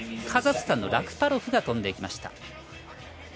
カザフスタンのラクパロフが飛んでいきました。